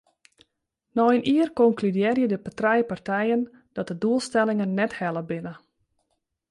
Nei in jier konkludearje de trije partijen dat de doelstellingen net helle binne.